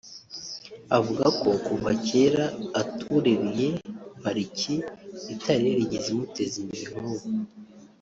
Avuga ko kuva kera atuririye pariki itari yarigeze imuteza imbere nk’ubu